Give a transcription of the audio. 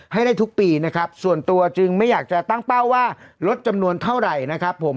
ให้ได้ทุกปีนะครับส่วนตัวจึงไม่อยากจะตั้งเป้าว่าลดจำนวนเท่าไหร่นะครับผม